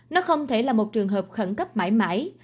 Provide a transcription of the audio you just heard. nó không thể là một trường hợp khẩn cấp mãi mãi